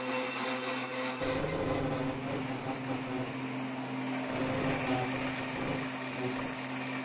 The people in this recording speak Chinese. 胡瑞荃中华人民共和国证券业的早期开拓者。